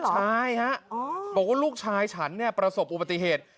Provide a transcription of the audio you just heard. ใช่ฮะบอกว่าลูกชายฉันเนี่ยประสบอุบัติเหตุ